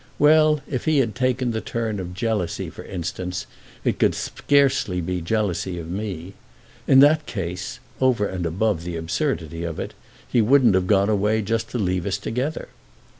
Well, if he had taken the turn of jealousy for instance it could scarcely be jealousy of me. In that case—over and above the absurdity of it—he wouldn't have gone away just to leave us together.